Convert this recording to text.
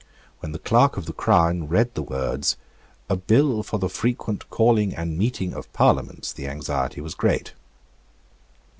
When the Clerk of the Crown read the words, "A Bill for the frequent Calling and Meeting of Parliaments," the anxiety was great.